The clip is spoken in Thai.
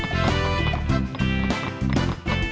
๑ช้อนครับ